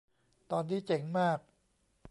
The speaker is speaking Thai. ตอนนี้เจ๋งมาก